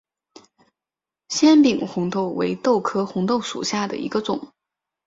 纤柄红豆为豆科红豆属下的一个种。